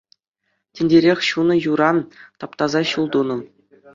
Тинтерех ҫунӑ юра таптаса ҫул тунӑ.